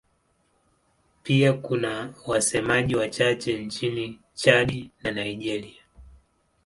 Pia kuna wasemaji wachache nchini Chad na Nigeria.